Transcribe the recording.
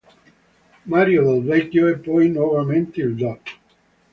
Mario Del Vecchio e poi nuovamente il dott.